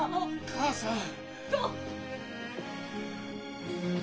母さん。